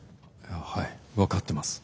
はい分かってます。